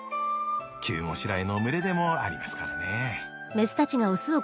急ごしらえの群れでもありますからね。